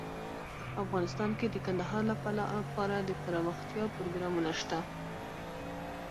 افغانستان کې د کندهار لپاره دپرمختیا پروګرامونه شته.